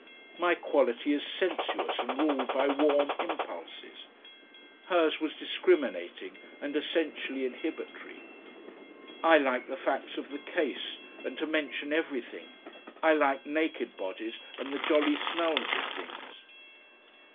My quality is sensuous and ruled by warm impulses; hers was discriminating and essentially inhibitory. I like the facts of the case and to mention everything; I like naked bodies and the jolly smells of things.